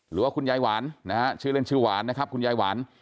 หรือว่าคุณยายหวานนะฮะชื่อเล่นชื่อหวานนะครับคุณยายหวาน